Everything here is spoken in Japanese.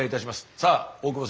さあ大久保さん。